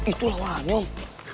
itu lah wannya om